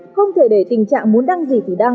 không thể để tình trạng muốn đăng gì thì đăng